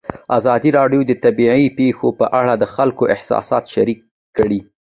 ازادي راډیو د طبیعي پېښې په اړه د خلکو احساسات شریک کړي.